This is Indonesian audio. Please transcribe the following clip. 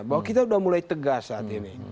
bahwa kita sudah mulai tegas saat ini